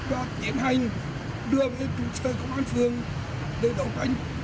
và tiến hành đưa về chủ trời công an phường để đồng thanh